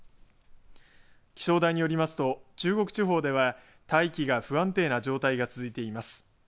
気象台によりますと中国地方では大気が不安定な状態が続いています。